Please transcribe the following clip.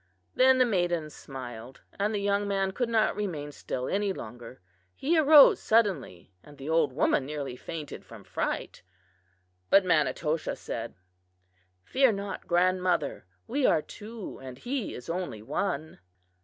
Then the maiden smiled, and the young man could not remain still any longer. He arose suddenly and the old woman nearly fainted from fright. But Manitoshaw said: "'Fear not, grandmother; we are two and he is only one.